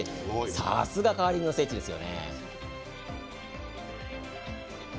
さすがカーリングの聖地です。